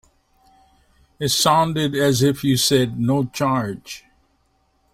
It sounded as if you said no charge.